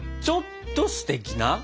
ちょっとステキな？